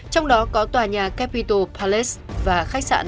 trong đó có tòa nhà capital palace và khách sạn